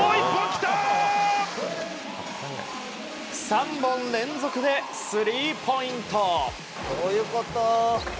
３本連続でスリーポイント。